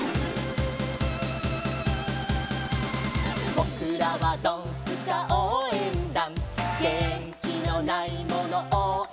「ぼくらはドンスカおうえんだん」「げんきのないものおうえんだ！！」